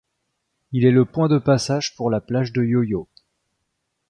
Il est le point de passage pour la plage de Yoyo.